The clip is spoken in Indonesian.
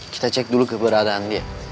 kita cek dulu keberadaan dia